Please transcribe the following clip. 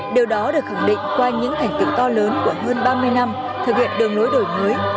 điều đó được khẳng định qua những thành tựu to lớn của hơn ba mươi năm thực hiện đường lối đổi mới